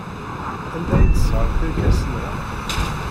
Anda ay d-sɣant irkasen-a?